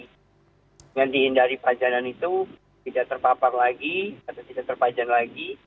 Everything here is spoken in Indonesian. dengan dihindari pajanan itu tidak terpapar lagi atau tidak terpajan lagi